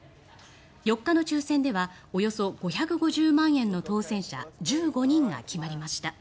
４日の抽選ではおよそ５５０万円の当選者１５人が決まりました。